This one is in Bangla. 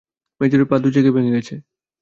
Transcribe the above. মেজরের পা দুই জায়গায় ভেঙে গেছে।